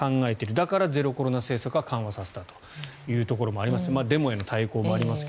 だから、ゼロコロナ政策は緩和させたというところもありましてデモへの対抗もありますが。